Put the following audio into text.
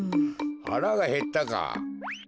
はらがへったか。